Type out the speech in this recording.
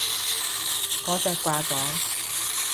嗰隻掛咗